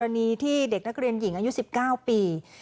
อารมณ์กรณีที่เด็กนักเรียนหญิงอายุ๑๙ปี